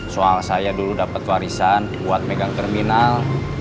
soal saya dulu dapat warisan buat pegang terminal